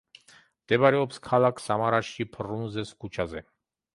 მდებარეობს ქალაქ სამარაში ფრუნზეს ქუჩაზე.